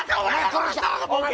殺したるお前